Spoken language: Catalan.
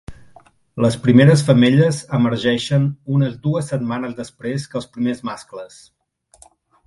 Les primeres femelles emergeixen unes dues setmanes després que els primers mascles.